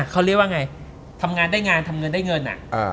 เขาเรียกว่าไงทำงานได้งานทำเงินได้เงิน